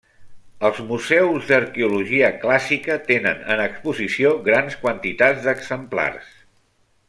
Els museus d'arqueologia clàssica tenen en exposició grans quantitats d'exemplars.